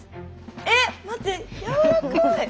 えっ待ってやわらかい。